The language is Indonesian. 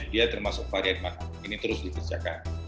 dia termasuk varian mana ini terus dikerjakan